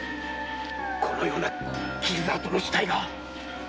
このような傷跡の死体が。